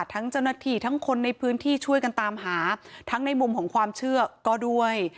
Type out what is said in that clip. ทั้งเจ้าหน้าที่ทั้งคนในพื้นที่ช่วยกันตามหาทั้งในมุมของความเชื่อก็ด้วย